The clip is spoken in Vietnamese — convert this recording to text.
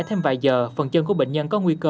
thêm vài giờ phần chân của bệnh nhân có nguy cơ